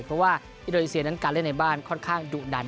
เพราะว่าอินโดนีเซียนั้นการเล่นในบ้านค่อนข้างดุดัน